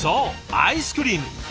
アイスクリーム。